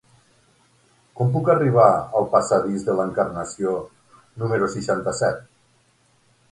Com puc arribar al passadís de l'Encarnació número seixanta-set?